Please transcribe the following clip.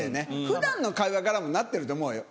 普段の会話からもなってると思うよ